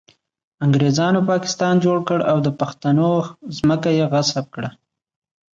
انګریزانو پاکستان جوړ کړ او د پښتنو ځمکه یې غصب کړه